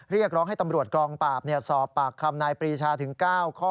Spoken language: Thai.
เรียกร้องให้ตำรวจกองปราบสอบปากคำนายปรีชาถึง๙ข้อ